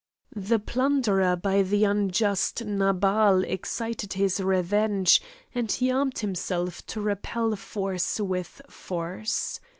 The plunder by the unjust Nabal excited his revenge, and he armed himself to repel force with force.